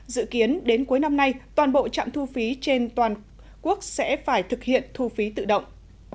dự kiến đến cuối năm nay toàn bộ trạm thu phí trên toàn quốc sẽ phải thực hiện thu phí tự động